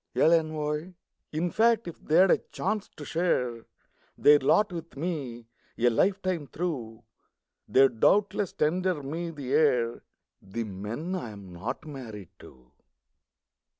L'ENVOI In fact, if they'd a chance to share Their lot with me, a lifetime through, They'd doubtless tender me the air The men I am not married to.